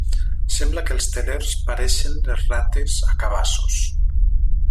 Sembla que els telers pareixen les rates a cabassos.